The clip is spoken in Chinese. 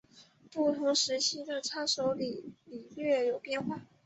不同时期的叉手礼略有变化。